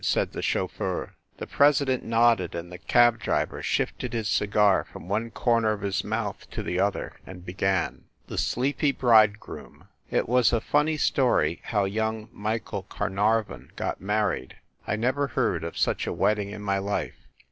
said the chauffeur. The president nodded, and the cab driver shifted his cigar from one corner of his mouth to the other and began. THE SLEEPY BRIDEGROOM It was a funny story how young Michael Carnar von got married. I never heard of such a wedding in my life.